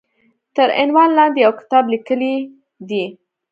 تر عنوان لاندې يو کتاب ليکلی دی